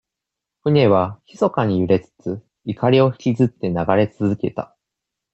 船は、ひそかに揺れつつ、錨をひきずって流れつづけた。